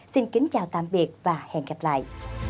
xin kính chào tạm biệt và hẹn gặp lại